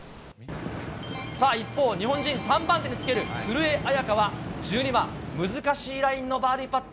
さあ、一方、日本人３番手につける古江彩佳は、１２番、難しいラインのバーディーパット。